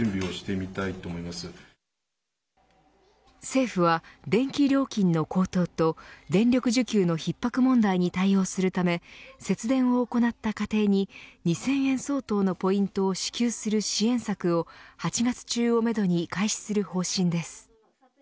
政府は電気料金の高騰と電力需給のひっ迫問題に対応するため節電を行った家庭に２０００円相当のポイントを支給する支援策を８月中をめどに開始する方針です。